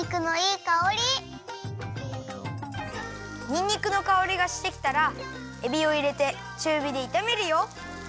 にんにくのかおりがしてきたらえびをいれてちゅうびでいためるよ。